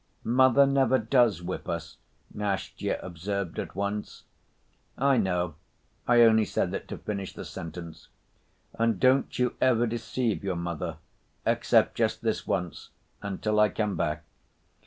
"Mother never does whip us," Nastya observed at once. "I know, I only said it to finish the sentence. And don't you ever deceive your mother except just this once, until I come back.